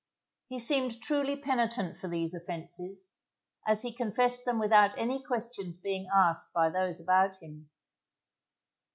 He seemed truly penitent for these offences, as he confessed them without any questions being asked by those about him.